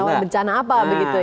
yang rawat bencana apa begitu ya